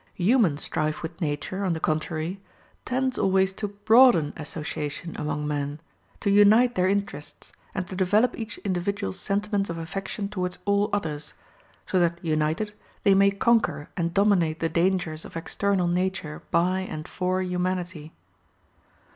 Human strife with nature, on the contrary, tends always to broaden association among men, to unite their interests, and to develop each individual's sentiments of affection towards all others, so that united they may conquer and dominate the dangers of external nature by and for humanity.